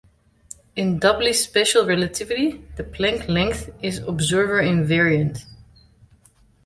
In doubly special relativity, the Planck length is observer-invariant.